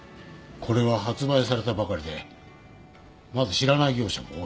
これは発売されたばかりでまだ知らない業者も多い。